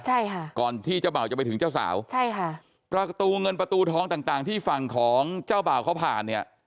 ใช่ค่ะก่อนที่เจ้าบ่าวจะไปถึงเจ้าสาวใช่ค่ะประตูเงินประตูทองต่างต่างที่ฝั่งของเจ้าบ่าวเขาผ่านเนี่ย